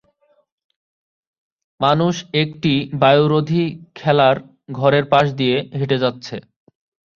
মানুষ একটি বায়ুরোধী খেলার ঘরের পাশ দিয়ে হেঁটে যাচ্ছে।